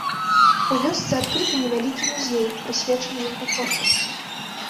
У вёсцы адкрыты невялікі музей, прысвечаны яго творчасці.